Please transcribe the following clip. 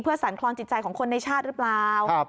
เพื่อสรรคลองจิตใจของคนในชาติหรือเปล่า